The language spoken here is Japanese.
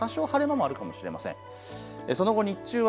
多少晴れ間もあるかもしれません。